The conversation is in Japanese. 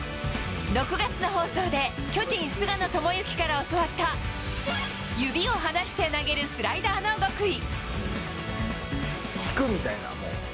６月の放送で巨人、菅野智之から教わった指を離して投げるスライダーの極意。